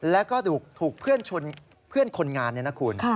แล้วก็ถูกเพื่อนคนงานเนี่ยนะคุณ